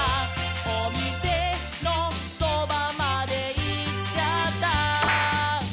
「おみせのそばまでいっちゃった」